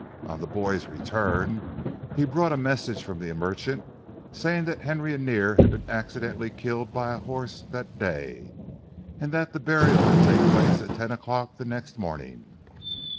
On the boy's return, he brought a message from the merchant, saying that Henry Annear had been accidentally killed by a horse that day, and that the burial would take place at ten o'clock the next morning.